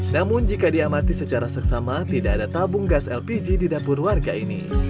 namun jika diamati secara seksama tidak ada tabung gas lpg di dapur warga ini